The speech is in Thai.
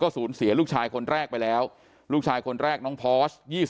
สูญเสียลูกชายคนแรกไปแล้วลูกชายคนแรกน้องพอส